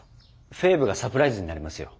フェーブがサプライズになりますよ。